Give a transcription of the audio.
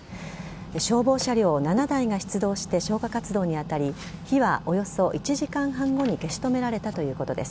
消防車両７台が出動して消火活動に当たり、火はおよそ１時間半後に消し止められたということです。